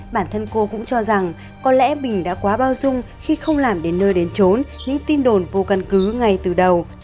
bản thân cô cũng cho rằng có lẽ mình đã quá bao dung khi không làm đến nơi đến trốn những tin đồn vô căn cứ ngay từ đầu